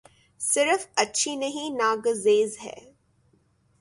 صرف اچھی نہیں ناگزیر ہے۔